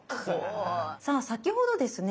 さあ先ほどですね